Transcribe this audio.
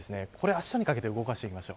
あしたにかけて動かしていきます。